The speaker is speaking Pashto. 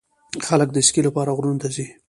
خلک د اسکی لپاره غرونو ته ځي.